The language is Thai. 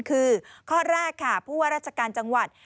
คือข้อแรกค่ะผู้ว่าราชการจังหวัด